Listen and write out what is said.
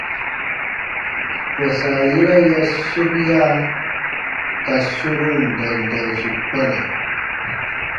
Kpãsa yera ya sobia ka sorun dandansu kpana.